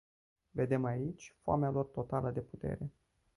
Vedem aici foamea lor totală de putere.